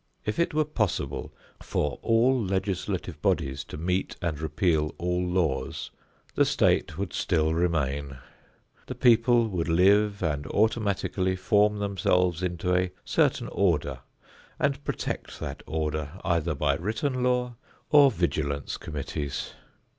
If it were possible for all legislative bodies to meet and repeal all laws, the state would still remain; the people would live and automatically form themselves into a certain order and protect that order either by written law or vigilance committees.